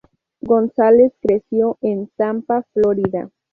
Gonzalez creció en Tampa, Florida.